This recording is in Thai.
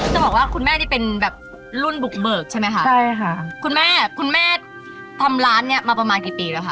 จะบอกว่าคุณแม่นี่เป็นแบบรุ่นบุกเบิกใช่ไหมคะใช่ค่ะคุณแม่คุณแม่ทำร้านเนี้ยมาประมาณกี่ปีแล้วค่ะ